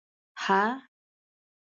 _هه!